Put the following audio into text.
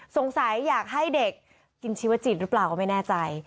อยากให้เด็กกินชีวจิตหรือเปล่าก็ไม่แน่ใจ